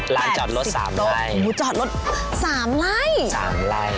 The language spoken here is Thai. ร้านจอดรถ๓ไร่โอ้โฮจอดรถ๓ไร่๓ไร่